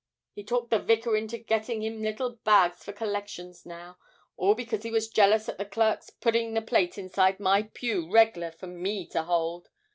He's talked the Vicar into getting them little bags for collections now, all because he was jealous at the clerk's putting the plate inside my pew reg'lar for me to hold.